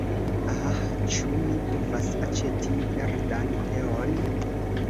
Ah, ĉu mi povas aĉeti verdan teon?